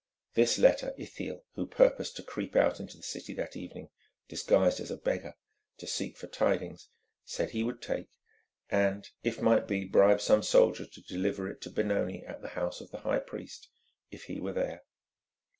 This letter Ithiel, who purposed to creep out into the city that evening disguised as a beggar, to seek for tidings, said he would take, and, if might be, bribe some soldier to deliver it to Benoni at the house of the high priest, if he were there.